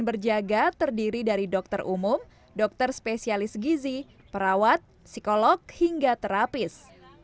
yang berjaga terdiri dari dokter umum dokter spesialis gizi perawat psikolog hingga terapis